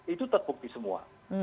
itu tetbukti semua